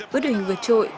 bước đường hình vượt trội